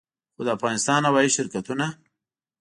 خو د افغانستان هوايي شرکتونه